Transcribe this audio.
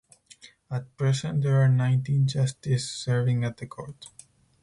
At present there are nineteen justices serving at the Court.